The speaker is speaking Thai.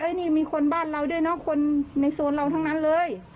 นี่มีคนบ้านเราด้วยเนอะคนในโซนเราทั้งนั้นเลย